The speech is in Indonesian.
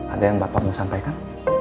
ada yang bapak mau sampaikan